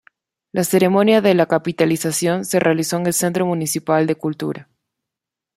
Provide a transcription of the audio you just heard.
La ceremonia de la capitalización se realizó en el Centro Municipal de Cultura.